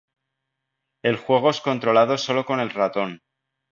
El juego es controlado solo con el ratón.